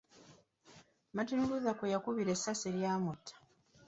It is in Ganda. Martin Luther kwe yakubirwa essasi eryamutta.